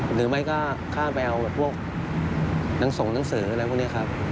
หรือไม่ก็ข้ามไปเอาพวกหนังส่งหนังสืออะไรพวกนี้ครับ